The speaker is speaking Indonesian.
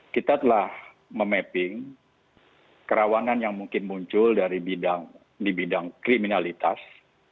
kita telah memapping kerawanan yang mungkin muncul dari di bidang kriminalitas